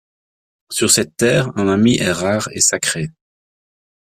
Sur cette terre, un ami est rare et sacré.